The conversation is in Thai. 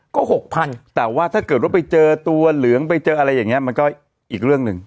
ก็๖๐๐๐แต่ว่าถ้าเกิดว่าไปเจอตัวเหลืองไปเจออะไรอย่างนี้มันก็อีกเรื่องหนึ่ง